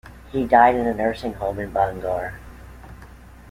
He died in a nursing home in Bangor.